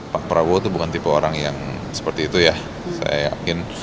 pak prabowo itu bukan tipe orang yang seperti itu ya saya yakin